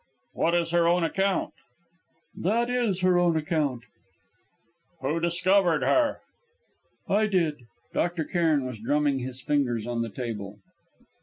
"What is her own account?" "That is her own account." "Who discovered her?" "I did." Dr. Cairn was drumming his fingers on the table.